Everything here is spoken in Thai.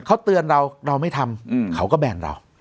เขาเตือนเราเราไม่ทำเขาก็แบ่งเรา